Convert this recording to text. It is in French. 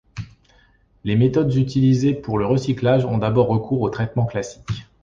Les méthodes utilisées pour le recyclage ont d’abord recours aux traitements classiques.